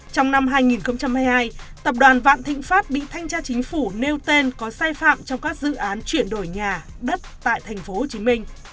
trong năm hai nghìn hai mươi hai tập đoàn vạn thịnh pháp bị thanh tra chính phủ nêu tên có sai phạm trong các dự án chuyển đổi nhà đất tại tp hcm